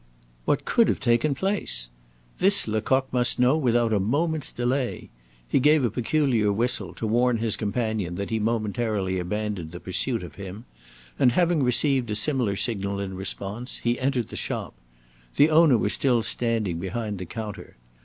What could have taken place? This Lecoq must know without a moment's delay. He gave a peculiar whistle, to warn his companion that he momentarily abandoned the pursuit of him; and having received a similar signal in response, he entered the shop. The owner was still standing behind the counter.